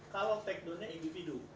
kalau takedownnya individu